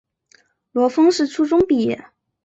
罗烽是初中毕业。